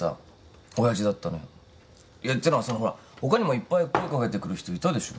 いやてのはそのほら他にもいっぱい声掛けてくる人いたでしょ。